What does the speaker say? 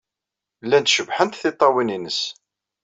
Llant cebḥent tiṭṭawin-nnes.